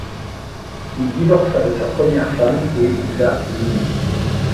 Il divorça de sa première femme et épousa Lynn.